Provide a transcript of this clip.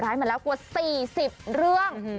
ฝากฝีมือซับกับบทรายมาแล้วกว่า๔๐เรื่อง